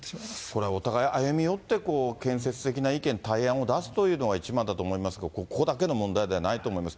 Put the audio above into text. これはお互い歩み寄って、建設的な意見、対案を出すというのが一番だと思いますけど、ここだけの問題ではないと思います。